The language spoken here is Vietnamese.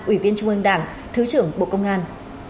ủy viên trung ương đảng thứ trưởng bộ công an